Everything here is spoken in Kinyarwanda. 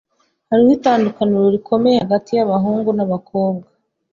Hariho itandukaniro rikomeye hagati yabahungu nabakobwa